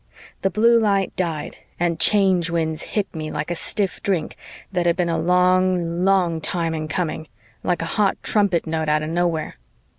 The blue light died and Change Winds hit me like a stiff drink that had been a long, long time in coming, like a hot trumpet note out of nowhere.